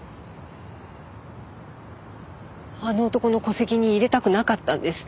あの男の戸籍に入れたくなかったんです。